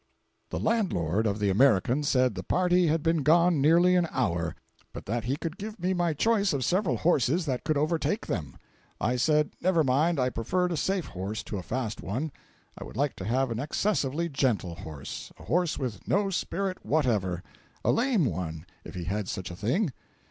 The landlord of the American said the party had been gone nearly an hour, but that he could give me my choice of several horses that could overtake them. I said, never mind—I preferred a safe horse to a fast one—I would like to have an excessively gentle horse—a horse with no spirit whatever—a lame one, if he had such a thing.